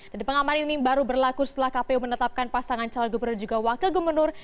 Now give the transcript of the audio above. dan pengamanan ini baru berlaku setelah kpu menetapkan pasangan calon gubernur juga wakil gubernur